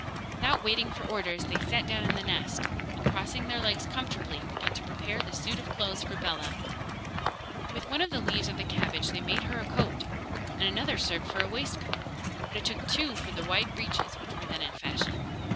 Without waiting for orders, they sat down in the nest and, crossing their legs comfortably, began to prepare the suit of clothes for Bellah. With one of the leaves of the cabbage they made her a coat, and another served for a waistcoat; but it took two for the wide breeches which were then in fashion.